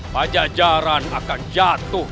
pajajaran akan jatuh